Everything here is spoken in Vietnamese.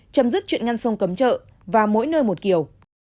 chấm dứt chuyện ngăn sông cấm chợ và mỗi nơi một kiểu